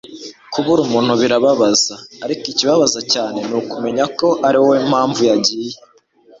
kubura umuntu birababaza, ariko ikibabaza cyane ni ukumenya ko ari wowe mpamvu yagiye